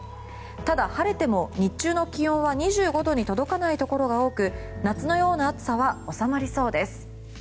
ただ、晴れても日中の気温は２５度に届かないところが多く夏のような暑さは収まりそうです。